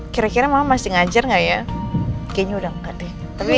kira kira masih ngajar nggak ya kayaknya udah enggak deh tapi